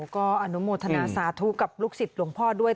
ก็อนุโมทนาสาธุกับลูกศิษย์หลวงพ่อด้วย